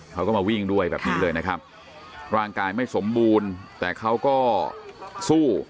เขาก็มาวิ่งด้วยแบบนี้เลยนะครับร่างกายไม่สมบูรณ์แต่เขาก็สู้